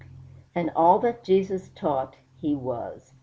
And all that Jesus taught, he was.